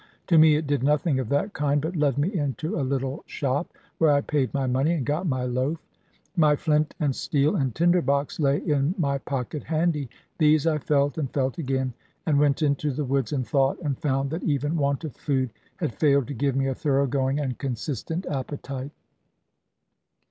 To me it did nothing of that kind, but led me into a little shop, where I paid my money, and got my loaf. My flint and steel and tinder box lay in my pocket handy. These I felt and felt again, and went into the woods and thought, and found that even want of food had failed to give me a thorough going and consistent appetite.